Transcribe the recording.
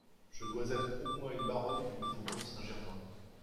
Je dois être au moins une baronne du faubourg Saint-Germain.